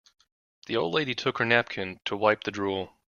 The old lady took her napkin to wipe the drool.